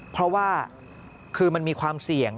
เพราะว่าคือมันมีความเสี่ยง